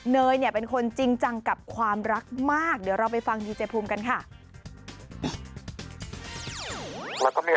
เนยเนี่ยเป็นคนจริงจังกับความรักมากเดี๋ยวเราไปฟังดีเจภูมิกันค่ะ